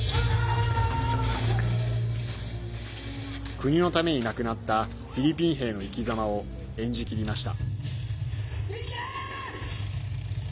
国のために亡くなったフィリピン兵の生きざまを演じきりました。